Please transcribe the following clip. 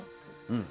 うん。